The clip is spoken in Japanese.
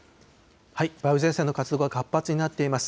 梅雨前線の活動が活発になっています。